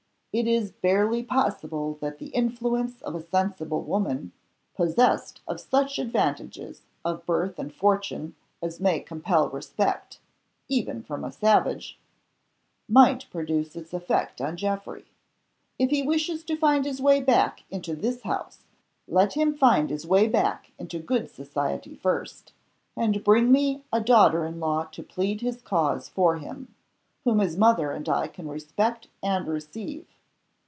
It is barely possible that the influence of a sensible woman possessed of such advantages of birth and fortune as may compel respect, even from a savage might produce its effect on Geoffrey. If he wishes to find his way back into this house, let him find his way back into good society first, and bring me a daughter in law to plead his cause for him whom his mother and I can respect and receive.